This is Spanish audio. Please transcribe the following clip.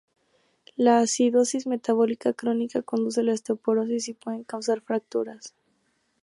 La acidosis metabólica crónica conduce a la osteoporosis y puede causar fracturas.